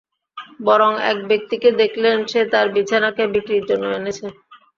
বরং এক ব্যক্তিকে দেখলেন, সে তার বিছানাকে বিক্রির জন্য এনেছে।